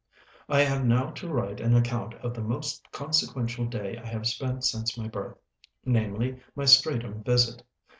I have now to write an account of the most consequential day I have spent since my birth; namely, my Streatham visit.